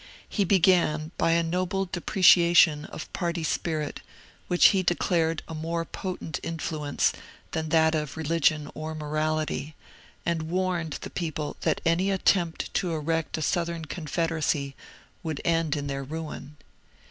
He began by a noble depreciation of party spirit, which he declared a more potent influence than that of religion or morality, and warned the people that any attempt to erect a Southern Confederacy would end in their ruin.